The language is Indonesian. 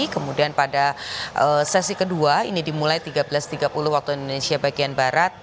kemudian pada sesi kedua ini dimulai tiga belas tiga puluh waktu indonesia bagian barat